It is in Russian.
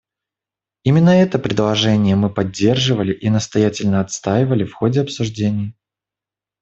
Именно это предложение мы поддерживали и настоятельно отстаивали в ходе обсуждений.